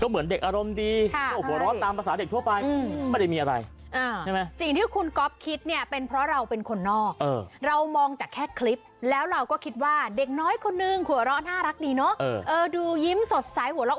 บอกไว้สุดงามนั้นยังห้ามใจ